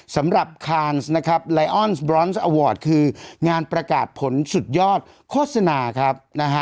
สำหรับนะครับคืองานประกาศผลสุดยอดโฆษณาครับนะฮะ